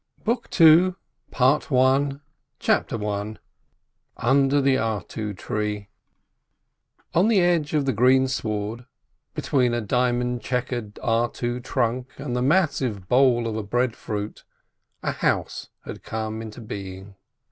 BOOK II PART I CHAPTER I UNDER THE ARTU TREE On the edge of the green sward, between a diamond chequered artu trunk and the massive bole of a breadfruit, a house had come into being.